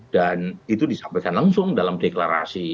dan itu disampaikan langsung dalam deklarasi